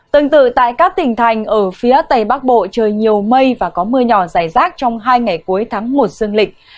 tương tự tại các tỉnh thành ở phía tây bắc bộ trời nhiều mây và có mưa nhỏ dài rác trong hai ngày cuối tháng một dương lịch